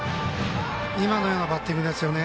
今のようなバッティングですね。